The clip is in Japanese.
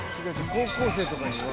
高校生とかには。